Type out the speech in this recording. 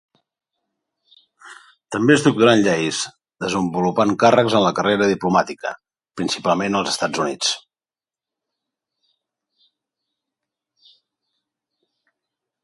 També es doctorà en lleis, desenvolupant càrrecs en la carrera diplomàtica, principalment als Estats Units.